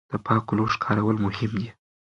د پاکو لوښو کارول مهم دي.